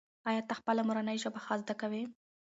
ایا ته خپله مورنۍ ژبه ښه زده کوې؟